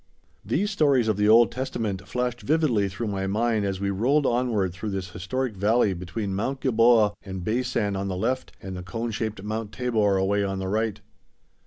These stories of the Old Testament flashed vividly through my mind as we rolled onward through this historic valley between Mount Gilboa and Beisan on the left, and the cone shaped Mount Tabor away on the right.